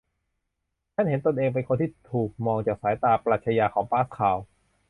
ฉันเห็นตนเองเป็นคนที่ถูกมองจากสายตาปรัชญาของปาสคาล